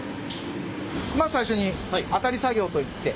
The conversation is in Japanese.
まず最初にあたり作業といって。